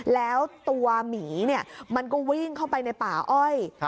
แล้วตัวหมีมันก็วิ่งเข้าไปในป่าอ้อย